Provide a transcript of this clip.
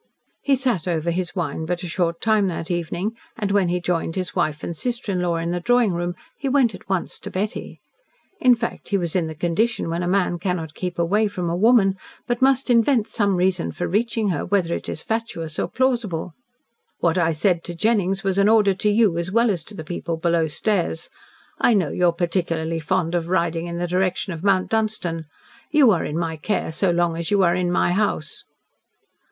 He sat over his wine but a short time that evening, and when he joined his wife and sister in law in the drawing room he went at once to Betty. In fact, he was in the condition when a man cannot keep away from a woman, but must invent some reason for reaching her whether it is fatuous or plausible. "What I said to Jennings was an order to you as well as to the people below stairs. I know you are particularly fond of riding in the direction of Mount Dunstan. You are in my care so long as you are in my house."